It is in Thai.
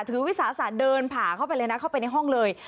วิสาศาสตร์เดินผ่าเข้าไปเลยนะเข้าไปในห้องเลย